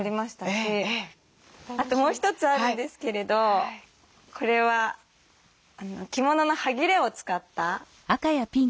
あともう一つあるんですけれどこれは着物のはぎれを使ったマフラーなんですけど。